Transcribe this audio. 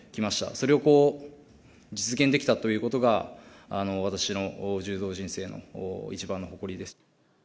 それを実現できたということが、私の柔道人生の一番の誇りです。